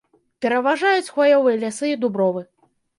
Пераважаюць хваёвыя лясы і дубровы.